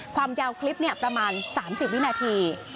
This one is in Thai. ความยาวคลิปประมาณ๓๐วินาที